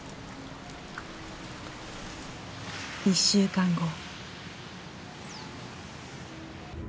１週間後。